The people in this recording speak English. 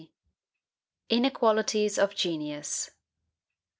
INEQUALITIES OF GENIUS.